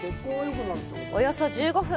およそ１５分。